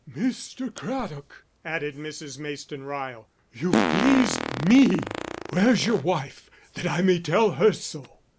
"Mr. Craddock," added Mrs. Mayston Ryle, "you've pleased me! Where's your wife, that I may tell her so?"